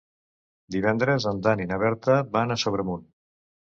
Divendres en Dan i na Berta van a Sobremunt.